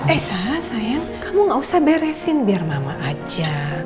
esa sayang kamu nggak usah beresin biar mama ajak